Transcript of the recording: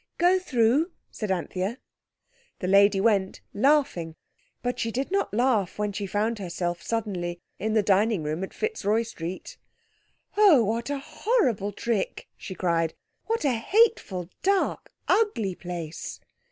"Go through," said Anthea. The lady went, laughing. But she did not laugh when she found herself, suddenly, in the dining room at Fitzroy Street. "Oh, what a horrible trick!" she cried. "What a hateful, dark, ugly place!"